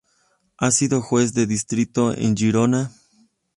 Ha sido juez de distrito en Girona.